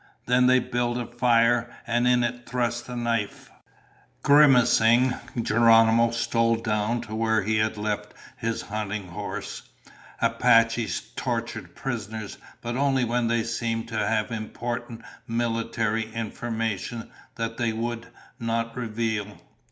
Then they built a fire and in it thrust a knife. Grimacing, Geronimo stole down to where he had left his hunting horse. Apaches tortured prisoners, but only when they seemed to have important military information that they would not reveal.